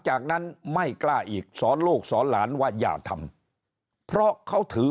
จากนั้นไม่กล้าอีกสอนลูกสอนหลานว่าอย่าทำเพราะเขาถือ